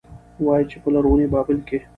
وايي، چې په لرغوني بابل کې